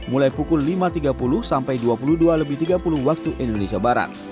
mulai pukul lima tiga puluh sampai dua puluh dua tiga puluh waktu indonesia barat